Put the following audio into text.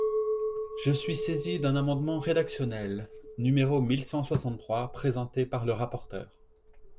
Je suis saisi d’un amendement rédactionnel, numéro mille cent soixante-trois, présenté par le rapporteur.